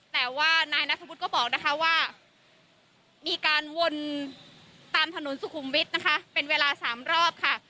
แต่ว่านายนัทธวุฒิก็บอกนะคะว่ามีการวนตามถนนสุขุมวิทย์นะคะเป็นเวลา๓รอบค่ะ